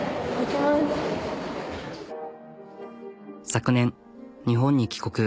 昨年日本に帰国。